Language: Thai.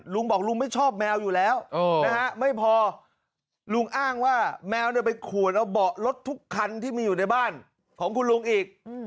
ลุงบอกลุงไม่ชอบแมวอยู่แล้วนะฮะไม่พอลุงอ้างว่าแมวไปขวนเอาเบาะรถทุกคันที่มีอยู่ในบ้านของคุณลุงอีก